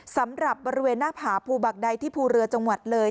สำหรับบริเวณหน้าผาภูบักใดที่ภูเรือจังหวัดเลย